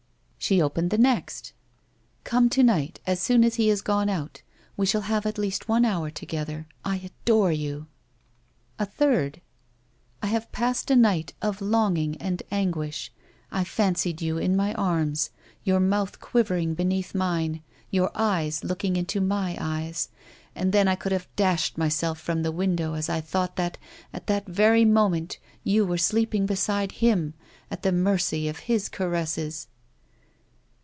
She opened the next ;" Come to night as soon as he has gone out. We shall have at least one hour together. I adore you." A third ;" I have passed a night of longing and anguish. I fancied you in my arms, your mouth quivering beneath mine, your eyes looking into my eyes. And then I could have dashed myself from the window, as I thought that, at that very moment, you were sleeping beside him, at the mercy of liis caresses."